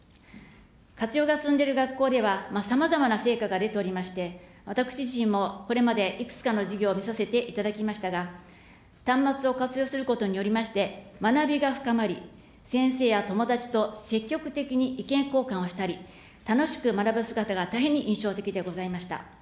活用が進んでいる学校ではさまざまな成果が出ておりまして、私自身もこれまでいくつかの授業を見させていただきましたが、端末を活用することによりまして、学びが深まり、先生や友達と積極的に意見交換をしたり、楽しく学ぶ姿が大変に印象的でございました。